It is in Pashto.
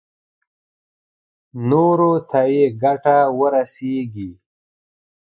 نورو ته يې ګټه ورسېږي.